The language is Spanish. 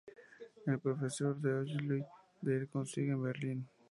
Es profesor en la Hochschule der Künste en Berlín.